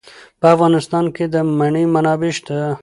په افغانستان کې د منی منابع شته.